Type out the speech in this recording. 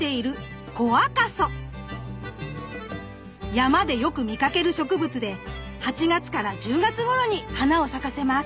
山でよく見かける植物で８月から１０月ごろに花を咲かせます。